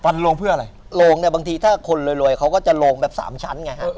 โลงเพื่ออะไรโลงเนี่ยบางทีถ้าคนรวยรวยเขาก็จะโลงแบบสามชั้นไงฮะ